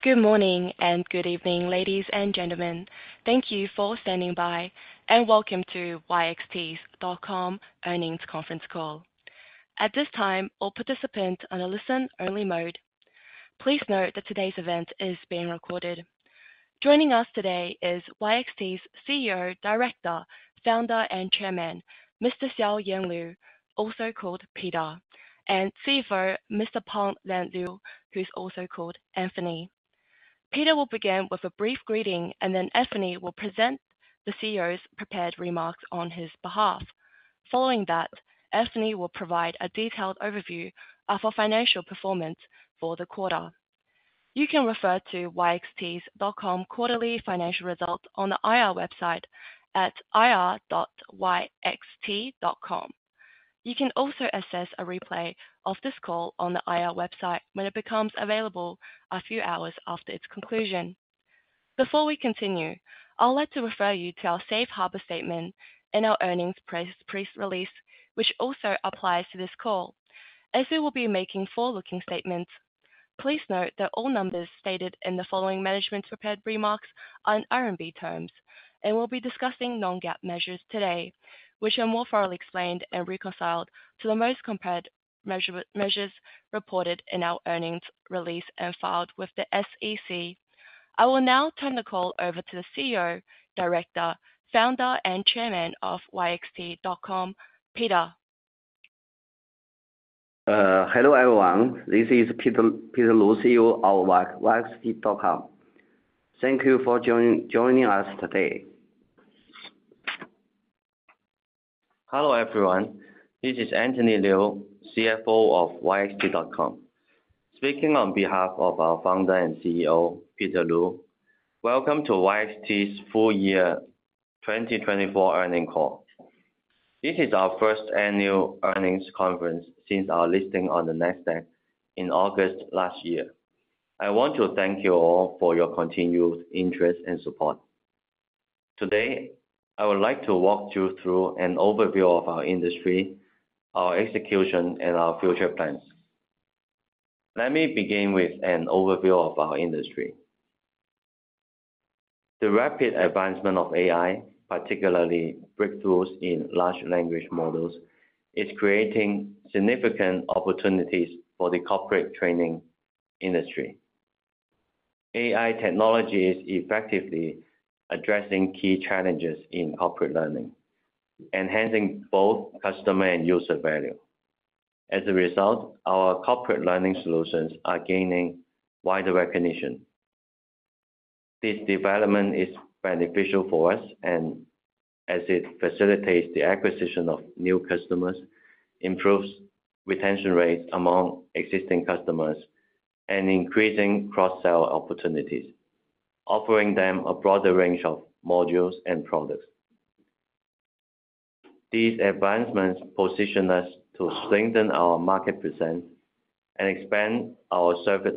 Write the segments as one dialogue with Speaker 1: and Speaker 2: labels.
Speaker 1: Good morning and good evening, ladies and gentlemen. Thank you for standing by, and welcome to YXT.com Earnings Conference Call. At this time, all participants are in a listen-only mode. Please note that today's event is being recorded. Joining us today is YXT.com's CEO, Director, Founder, and Chairman, Mr. Xiao Yanlu, also called Peter, and CFO, Mr. Pang Lianliu, who is also called Anthony. Peter will begin with a brief greeting, and then Anthony will present the CEO's prepared remarks on his behalf. Following that, Anthony will provide a detailed overview of our financial performance for the quarter. You can refer to YXT.com Quarterly Financial Results on the IR website at ir.yxt.com. You can also access a replay of this call on the IR website when it becomes available a few hours after its conclusion. Before we continue, I would like to refer you to our Safe Harbor Statement and our Earnings Press Release, which also applies to this call. As we will be making forward-looking statements, please note that all numbers stated in the following management's prepared remarks are in RMB terms, and we'll be discussing non-GAAP measures today, which are more thoroughly explained and reconciled to the most compared measures reported in our earnings release and filed with the SEC. I will now turn the call over to the CEO, Director, Founder, and Chairman of YXT.com, Peter.
Speaker 2: Hello everyone. This is Peter Lu, CEO of YXT.com. Thank you for joining us today.
Speaker 3: Hello everyone. This is Anthony Liu, CFO of YXT.com, speaking on behalf of our Founder and CEO, Peter Lu. Welcome to YXT's full-year 2024 earnings call. This is our first annual earnings conference since our listing on the Nasdaq in August last year. I want to thank you all for your continued interest and support. Today, I would like to walk you through an overview of our industry, our execution, and our future plans. Let me begin with an overview of our industry. The rapid advancement of AI, particularly breakthroughs in large language models, is creating significant opportunities for the corporate training industry. AI technology is effectively addressing key challenges in corporate learning, enhancing both customer and user value. As a result, our corporate learning solutions are gaining wider recognition. This development is beneficial for us, as it facilitates the acquisition of new customers, improves retention rates among existing customers, and increases cross-sell opportunities, offering them a broader range of modules and products. These advancements position us to strengthen our market presence and expand our service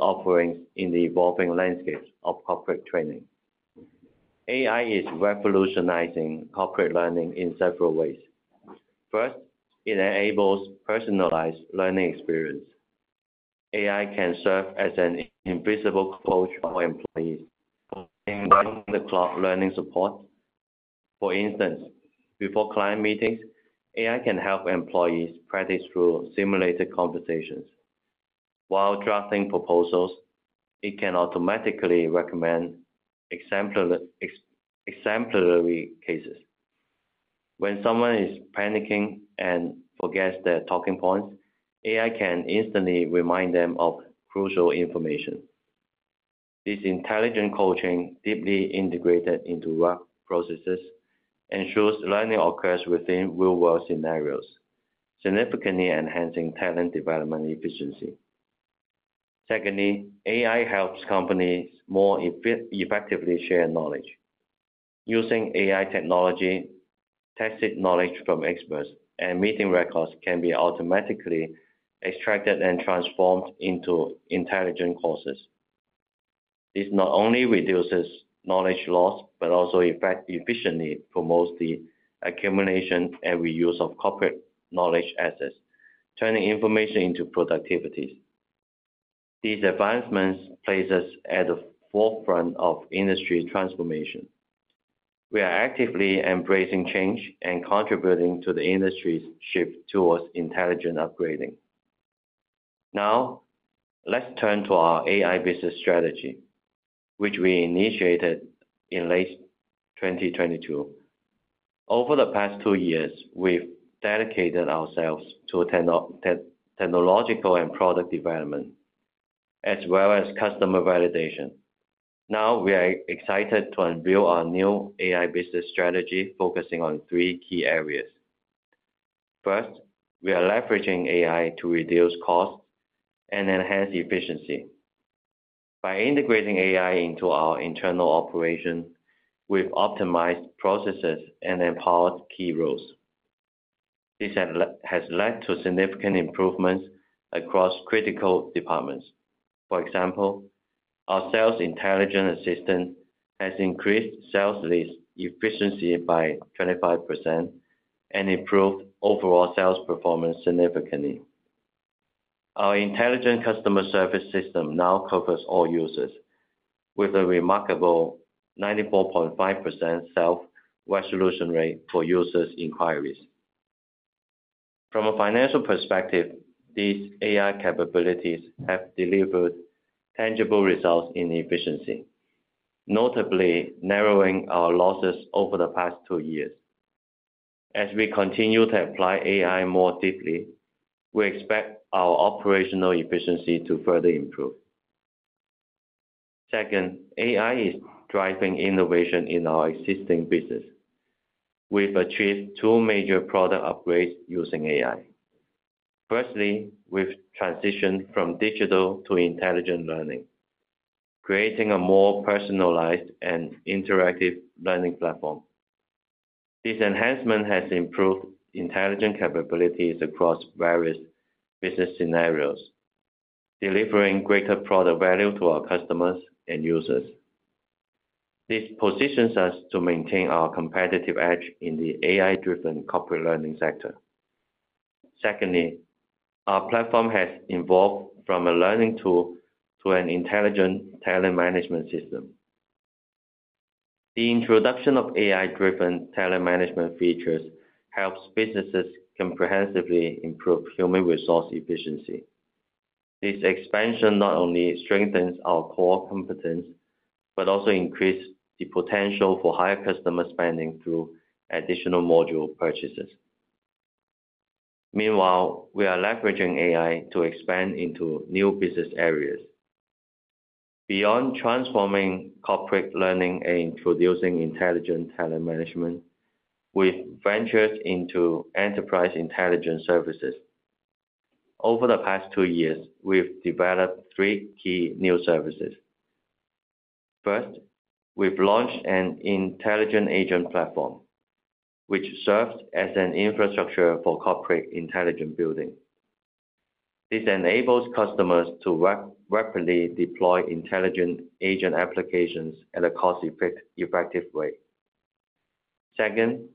Speaker 3: offerings in the evolving landscape of corporate training. AI is revolutionizing corporate learning in several ways. First, it enables personalized learning experience. AI can serve as an invisible coach for employees, enabling the cloud learning support. For instance, before client meetings, AI can help employees practice through simulated conversations. While drafting proposals, it can automatically recommend exemplary cases. When someone is panicking and forgets their talking points, AI can instantly remind them of crucial information. This intelligent coaching, deeply integrated into work processes, ensures learning occurs within real-world scenarios, significantly enhancing talent development efficiency. Secondly, AI helps companies more effectively share knowledge. Using AI technology, tested knowledge from experts, and meeting records can be automatically extracted and transformed into intelligent courses. This not only reduces knowledge loss but also efficiently promotes the accumulation and reuse of corporate knowledge assets, turning information into productivity. These advancements place us at the forefront of industry transformation. We are actively embracing change and contributing to the industry's shift towards intelligent upgrading. Now, let's turn to our AI business strategy, which we initiated in late 2022. Over the past two years, we've dedicated ourselves to technological and product development, as well as customer validation. Now, we are excited to unveil our new AI business strategy, focusing on three key areas. First, we are leveraging AI to reduce costs and enhance efficiency. By integrating AI into our internal operation, we've optimized processes and empowered key roles. This has led to significant improvements across critical departments. For example, our sales intelligence assistant has increased sales leads efficiency by 25% and improved overall sales performance significantly. Our intelligent customer service system now covers all users, with a remarkable 94.5% self-resolution rate for users' inquiries. From a financial perspective, these AI capabilities have delivered tangible results in efficiency, notably narrowing our losses over the past two years. As we continue to apply AI more deeply, we expect our operational efficiency to further improve. Second, AI is driving innovation in our existing business. We've achieved two major product upgrades using AI. Firstly, we've transitioned from digital to intelligent learning, creating a more personalized and interactive learning platform. This enhancement has improved intelligent capabilities across various business scenarios, delivering greater product value to our customers and users. This positions us to maintain our competitive edge in the AI-driven corporate learning sector. Secondly, our platform has evolved from a learning tool to an intelligent talent management system. The introduction of AI-driven talent management features helps businesses comprehensively improve human resource efficiency. This expansion not only strengthens our core competence but also increases the potential for higher customer spending through additional module purchases. Meanwhile, we are leveraging AI to expand into new business areas. Beyond transforming corporate learning and introducing intelligent talent management, we've ventured into enterprise intelligence services. Over the past two years, we've developed three key new services. First, we've launched an intelligent agent platform, which serves as an infrastructure for corporate intelligence building. This enables customers to rapidly deploy intelligent agent applications in a cost-effective way. Second,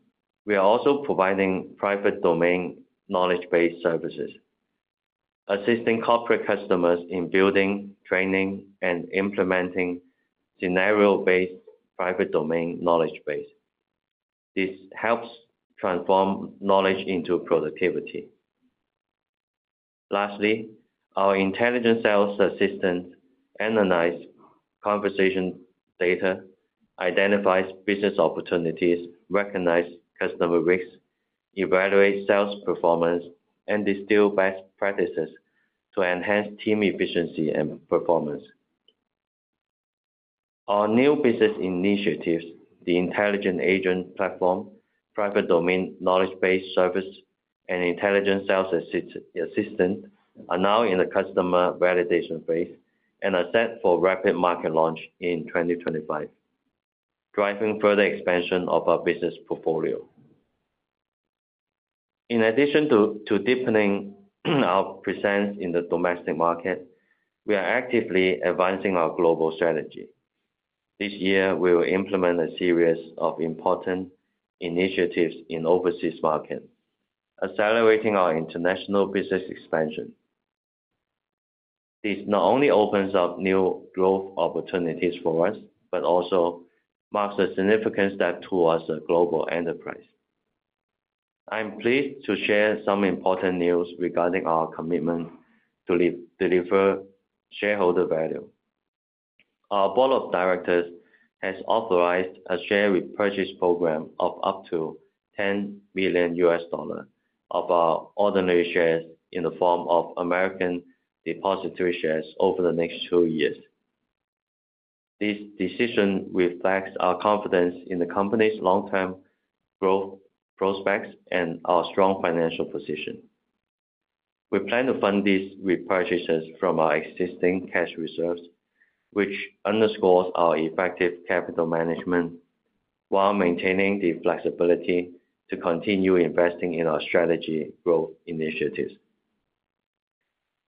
Speaker 3: we are also providing private domain knowledge-based services, assisting corporate customers in building, training, and implementing scenario-based private domain knowledge base. This helps transform knowledge into productivity. Lastly, our intelligent sales assistant analyzes conversation data, identifies business opportunities, recognizes customer risks, evaluates sales performance, and distills best practices to enhance team efficiency and performance. Our new business initiatives, the intelligent agent platform, private domain knowledge-based service, and intelligent sales assistant, are now in the customer validation phase and are set for rapid market launch in 2025, driving further expansion of our business portfolio. In addition to deepening our presence in the domestic market, we are actively advancing our global strategy. This year, we will implement a series of important initiatives in overseas markets, accelerating our international business expansion. This not only opens up new growth opportunities for us but also marks a significant step towards a global enterprise. I'm pleased to share some important news regarding our commitment to deliver shareholder value. Our Board of Directors has authorized a share repurchase program of up to $10 million of our ordinary shares in the form of American Depositary Shares over the next two years. This decision reflects our confidence in the company's long-term growth prospects and our strong financial position. We plan to fund these repurchases from our existing cash reserves, which underscores our effective capital management while maintaining the flexibility to continue investing in our strategy growth initiatives.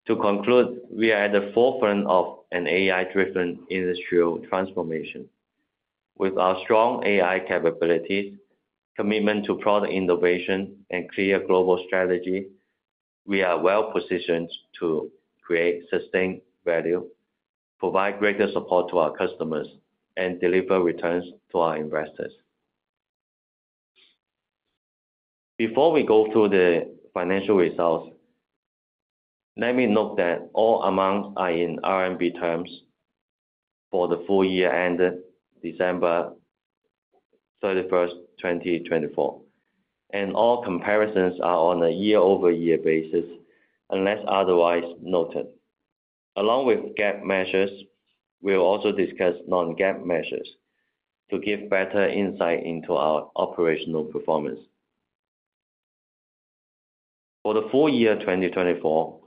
Speaker 3: To conclude, we are at the forefront of an AI-driven industrial transformation. With our strong AI capabilities, commitment to product innovation, and clear global strategy, we are well-positioned to create sustained value, provide greater support to our customers, and deliver returns to our investors. Before we go through the financial results, let me note that all amounts are in RMB terms for the full year ended December 31, 2024, and all comparisons are on a year-over-year basis, unless otherwise noted. Along with GAAP measures, we'll also discuss non-GAAP measures to give better insight into our operational performance. For the full year 2024,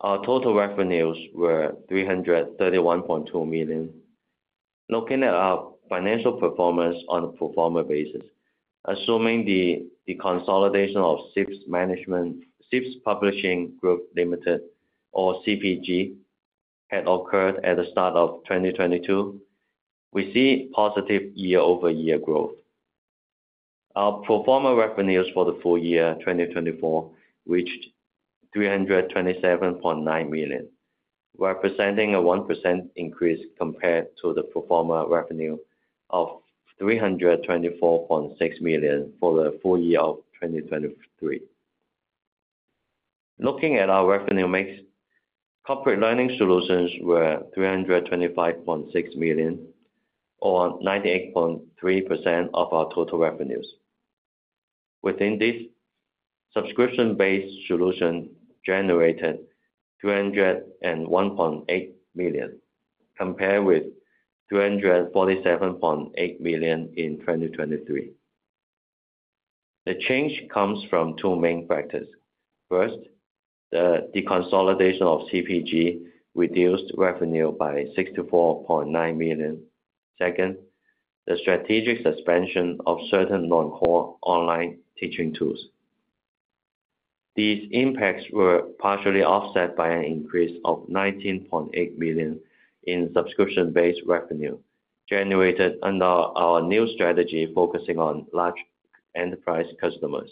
Speaker 3: our total revenues were 331.2 million. Looking at our financial performance on a pro forma basis, assuming the consolidation of CEIBS Publishing Group Limited, or CPG, had occurred at the start of 2022, we see positive year-over-year growth. Our pro forma revenues for the full year 2024 reached 327.9 million, representing a 1% increase compared to the pro forma revenue of 324.6 million for the full year of 2023. Looking at our revenue mix, corporate learning solutions were 325.6 million, or 98.3% of our total revenues. Within this, subscription-based solutions generated 301.8 million, compared with 347.8 million in 2023. The change comes from two main factors. First, the deconsolidation of CPG reduced revenue by 64.9 million. Second, the strategic suspension of certain non-core online teaching tools. These impacts were partially offset by an increase of 19.8 million in subscription-based revenue generated under our new strategy focusing on large enterprise customers.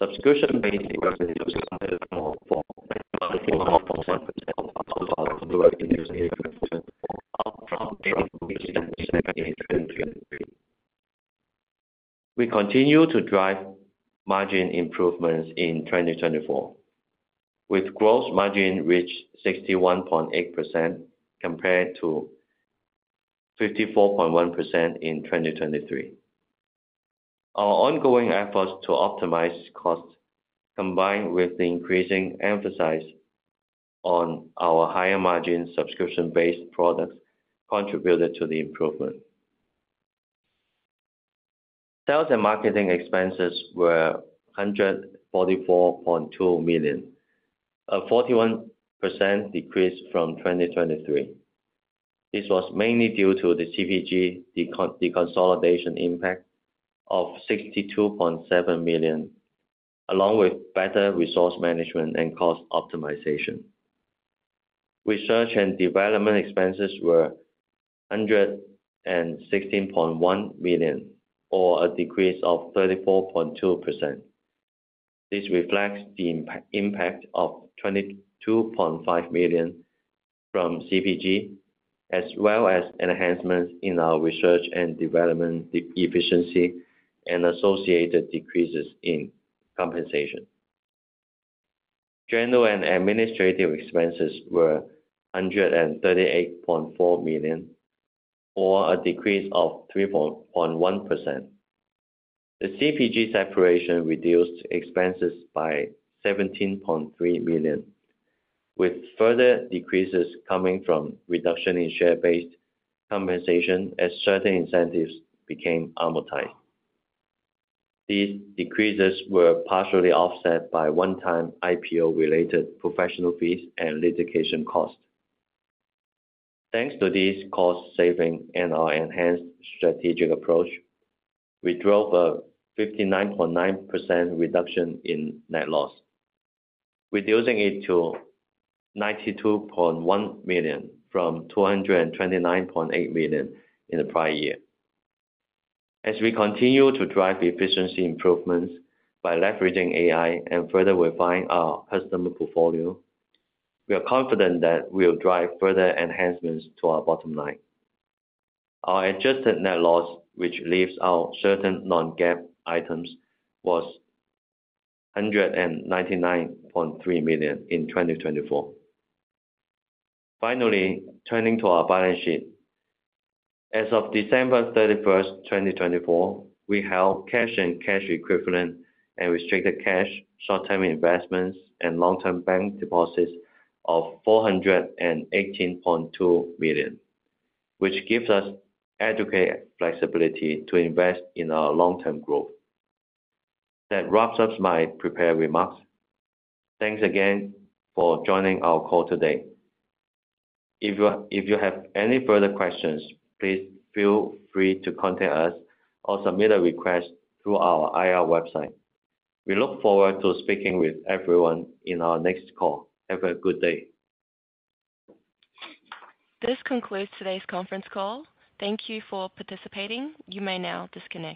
Speaker 3: Subscription-based revenues for 4.4% of our revenues out from April 2023. We continue to drive margin improvements in 2024, with gross margin reached 61.8% compared to 54.1% in 2023. Our ongoing efforts to optimize costs, combined with the increasing emphasis on our higher margin subscription-based products, contributed to the improvement. Sales and marketing expenses were 144.2 million, a 41% decrease from 2023. This was mainly due to the CPG deconsolidation impact of 62.7 million, along with better resource management and cost optimization. Research and development expenses were 116.1 million, or a decrease of 34.2%. This reflects the impact of 22.5 million from CPG, as well as enhancements in our research and development efficiency and associated decreases in compensation. General and administrative expenses were 138.4 million, or a decrease of 3.1%. The CPG separation reduced expenses by 17.3 million, with further decreases coming from reduction in share-based compensation as certain incentives became amortized. These decreases were partially offset by one-time IPO-related professional fees and litigation costs. Thanks to these cost savings and our enhanced strategic approach, we drove a 59.9% reduction in net loss, reducing it to 92.1 million from 229.8 million in the prior year. As we continue to drive efficiency improvements by leveraging AI and further refine our customer portfolio, we are confident that we'll drive further enhancements to our bottom line. Our adjusted net loss, which leaves out certain non-GAAP items, was 199.3 million in 2024. Finally, turning to our balance sheet, as of December 31, 2024, we held cash and cash equivalent and restricted cash, short-term investments, and long-term bank deposits of 418.2 million, which gives us adequate flexibility to invest in our long-term growth. That wraps up my prepared remarks. Thanks again for joining our call today. If you have any further questions, please feel free to contact us or submit a request through our IR website. We look forward to speaking with everyone in our next call. Have a good day.
Speaker 1: This concludes today's conference call. Thank you for participating. You may now disconnect.